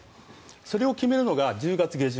それを決めるのが１０月下旬。